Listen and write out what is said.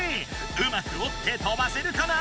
うまくおって飛ばせるかな？